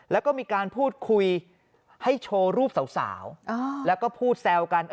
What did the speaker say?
แล้วก็มีการพูดคุยให้โชว์รูปสาวแล้วก็พูดแซวกัน